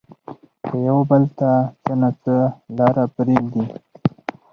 که يو بل ته څه نه څه لار پرېږدي